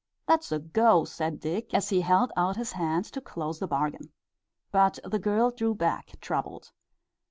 "That's a go!" said Dick, as he held out his hand to close the bargain. But the girl drew back, troubled.